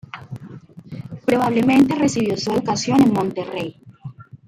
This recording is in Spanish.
Probablemente recibió su educación en Monterrey.